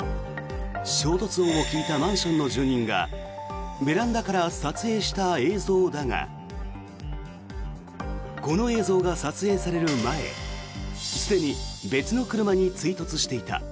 衝突音を聞いたマンションの住人がベランダから撮影した映像だがこの映像が撮影される前すでに別の車に追突していた。